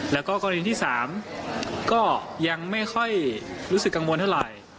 แล้วก็กรณีที่๓ก็ยังไม่ค่อยรู้สึกกังวลเท่าไหร่